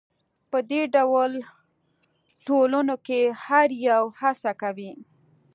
په دې ډول ټولنو کې هر یو هڅه کوي.